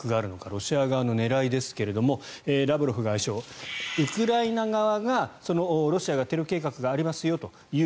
ロシア側の狙いですがラブロフ外相ウクライナ側が、ロシアがテロ計画がありますよという